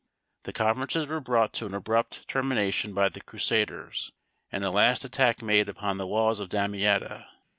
The conferences were brought to an abrupt termination by the Crusaders, and a last attack made upon the walls of Damietta.